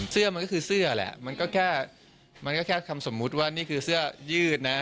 เสื้อมันก็คือเสื้อแหละมันก็แค่มันก็แค่คำสมมุติว่านี่คือเสื้อยืดนะ